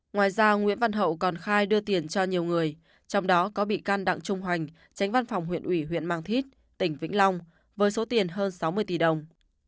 ngoài ra nguyễn văn hậu còn khai đưa tiền cho nhiều người trong đó có bị can đặng trung hoành tránh văn phòng huyện ủy huyện mang thít tỉnh vĩnh long với số tiền hơn sáu mươi tỷ đồng